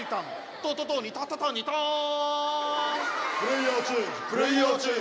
トトトニタタタニタン。